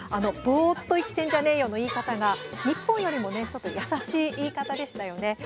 ボーっと生きてんじゃねーよ！の言い方が日本よりも優しい言い方でしたよね。